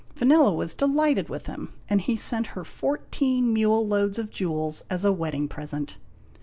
Vanella was delighted with him, and he sent her fourteen mule loads of jewels as a wedding present.